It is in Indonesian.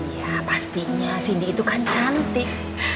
ya pastinya cindy itu kan cantik